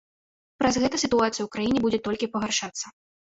Праз гэта сітуацыя ў краіне будзе толькі пагаршацца.